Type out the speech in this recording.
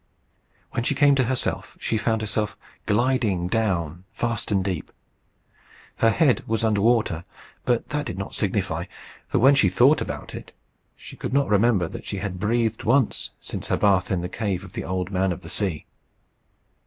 When she came to herself, she found herself gliding down fast and deep. Her head was under water, but that did not signify, for, when she thought about it, she could not remember that she had breathed once since her bath in the cave of the Old Man of the Sea.